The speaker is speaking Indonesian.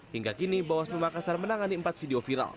hingga kini bawas pemilu makassar menangani empat video viral